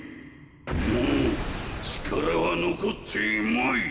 もう力はのこっていまい！